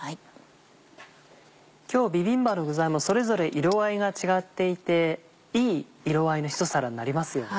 今日ビビンバの具材もそれぞれ色合いが違っていていい色合いの一皿になりますよね。